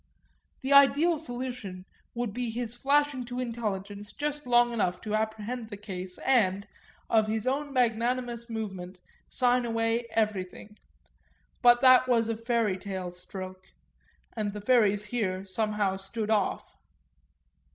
The ideal solution would be his flashing to intelligence just long enough to apprehend the case and, of his own magnanimous movement, sign away everything; but that was a fairy tale stroke, and the fairies here somehow stood off.